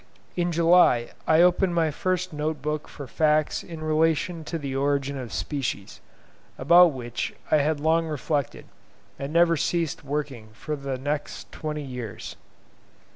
In July I opened my first note book for facts in relation to the Origin of Species, about which I had long reflected, and never ceased working for the next twenty years.